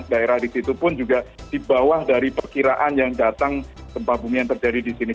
daerah di situ pun juga di bawah dari perkiraan yang datang gempa bumi yang terjadi di sini